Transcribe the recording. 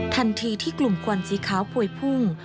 ทันทีที่กลุ่มควันสีขาวพวยพุ่ง